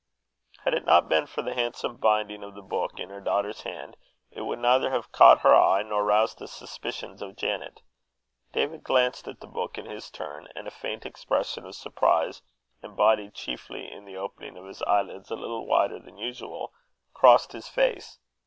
Had it not been for the handsome binding of the book in her daughter's hand, it would neither have caught the eye, nor roused the suspicions of Janet. David glanced at the book in his turn, and a faint expression of surprise, embodied chiefly in the opening of his eyelids a little wider than usual, crossed his face.